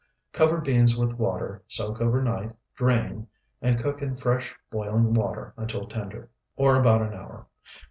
Cover beans with water, soak overnight, drain, and cook in fresh boiling water until tender, or about an hour.